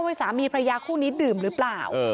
สามีพระยาคู่นี้ดื่มหรือเปล่า